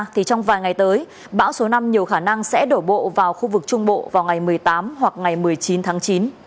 thì trong vài ngày tới bão số năm nhiều khả năng sẽ đổ bộ vào khu vực trung bộ vào ngày một mươi tám hoặc ngày một mươi chín tháng chín